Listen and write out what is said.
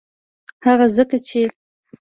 هغه ځکه چې